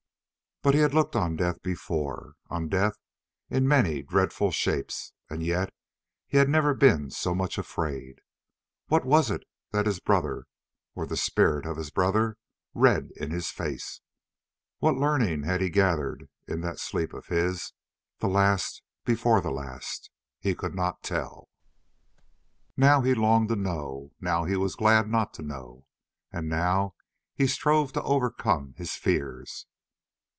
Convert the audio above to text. But he had looked on death before, on death in many dreadful shapes, and yet he had never been so much afraid. What was it that his brother, or the spirit of his brother, read in his face? What learning had he gathered in that sleep of his, the last before the last? He could not tell—now he longed to know, now he was glad not to know, and now he strove to overcome his fears.